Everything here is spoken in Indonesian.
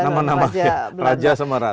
nama nama raja dan ratu